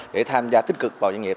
để tham gia tích cực vào doanh nghiệp